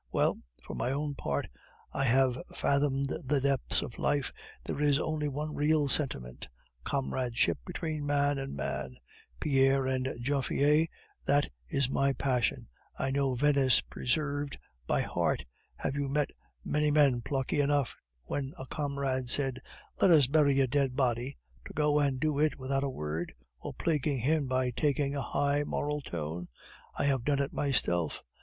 Well, for my own part, I have fathomed the depths of life, there is only one real sentiment comradeship between man and man. Pierre and Jaffier, that is my passion. I knew Venice Preserved by heart. Have you met many men plucky enough when a comrade says, 'Let us bury a dead body!' to go and do it without a word or plaguing him by taking a high moral tone? I have done it myself.